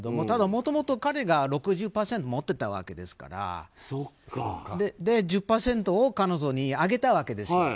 ただ、もともと彼が６０％持っていたわけですから１０％を彼女にあげたわけです。